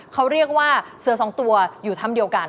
เขาเรียกว่าเสือสองตัวอยู่ถ้ำเดียวกัน